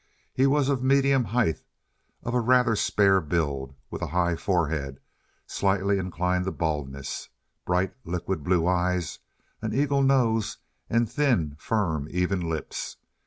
He was of medium height, of a rather spare build, with a high forehead, slightly inclined to baldness, bright, liquid blue eyes, an eagle nose, and thin, firm, even lips.